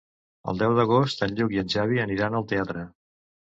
El deu d'agost en Lluc i en Xavi aniran al teatre.